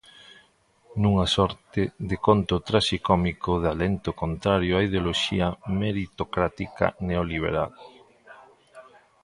Nunha sorte de conto traxicómico de alento contrario á ideoloxía meritocrática neoliberal.